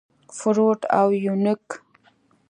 فروډ او يونګ.